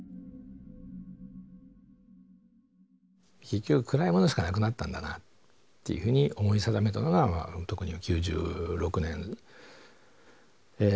結局暗いものしかなくなったんだなっていうふうに思い定めたのが特に９６年後半。